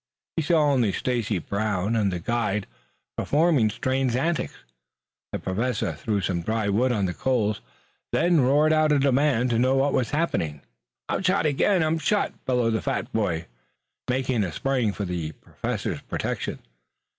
He saw only Stacy Brown and the guide performing strange antics. The Professor threw some dry wood on the coals, then roared out a demand to know what had happened. "I'm shot again! I'm shot," bellowed the fat boy, making a spring for the Professor's protection.